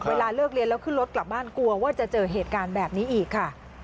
เวลาเลิกเรียนแล้วขึ้นรถกลับบ้านกลัวว่าจะเจอเหตุการณ์แบบนี้อีกค่ะ